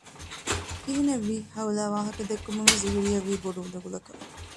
ކިހިނެއްވީ; ހައުލާ ވާހަކަ ދެއްކުމުންވެސް ޒުހުރީއަށް ވީ ބޮޑު އުނދަގުލަކަށް